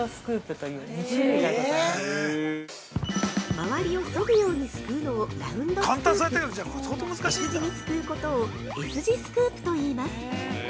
◆周りをそぐようにすくうのをラウンドスクープ、Ｓ字にすくうことをＳ字スクープと言います。